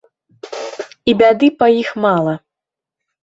І бяды па іх мала.